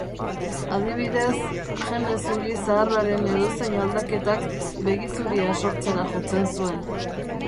Adibidez, gene zuri zaharraren edozein aldaketak begi zuria sortzera jotzen zuen.